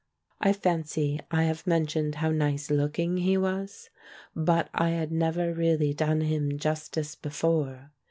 I fancy I have mentioned how nice looking he was, but I had never really done him justice before.